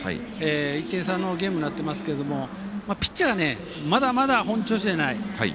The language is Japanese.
１点差のゲームになってますけどピッチャーがまだまだ、本調子じゃない。